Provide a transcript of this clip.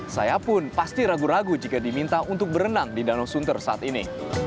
saya pun pasti ragu ragu jika diminta untuk berenang di danau sunter saat ini